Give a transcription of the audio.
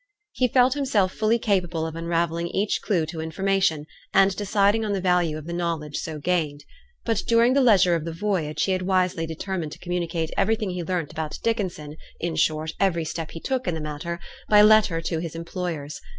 He felt himself fully capable of unravelling each clue to information, and deciding on the value of the knowledge so gained. But during the leisure of the voyage he had wisely determined to communicate everything he learnt about Dickinson, in short, every step he took in the matter, by letter to his employers.